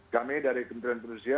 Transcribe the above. kami dari kementerian produksi